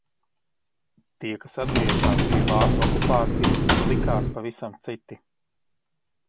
Tie kas atgriezās pie vācu okupācijas likās pavisam citi.